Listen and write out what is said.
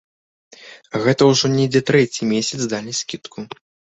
Гэта ўжо недзе трэці месяц далі скідку.